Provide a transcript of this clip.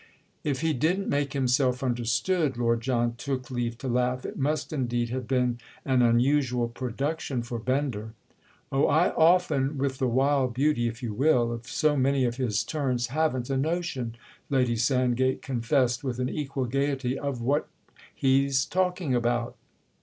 "If he didn't make himself understood," Lord John took leave to laugh, "it must indeed have been an unusual production for Bender." "Oh, I often, with the wild beauty, if you will, of so many of his turns, haven't a notion," Lady Sandgate confessed with an equal gaiety, "of what he's talking about."